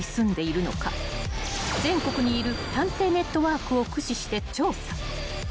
［全国にいる探偵ネットワークを駆使して調査］